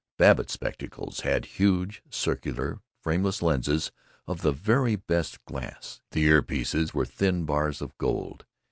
Babbitt's spectacles had huge, circular, frameless lenses of the very best glass; the ear pieces were thin bars of gold.